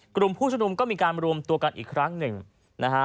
กลุ่มผู้ชมนุมก็มีการรวมตัวกันอีกครั้งหนึ่งนะฮะ